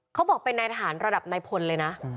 เขาบอกเป็นนายทหารระดับนายพลเลยนะ